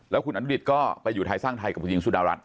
แล้วคุณอันนุหดิภก็ไปอยู่ทายสร้างไทยกับผู้หญิงศุดาวรัตน์